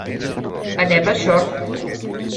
Anem a Sort.